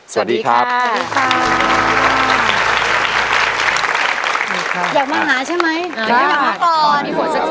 สวัสดีครับ